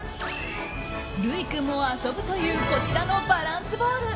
ルイ君も遊ぶというこちらのバランスボール